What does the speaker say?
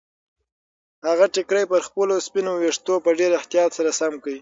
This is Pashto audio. هغې ټیکری پر خپلو سپینو ویښتو په ډېر احتیاط سره سم کړ.